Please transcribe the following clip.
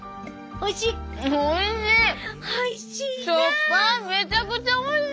おいしいな。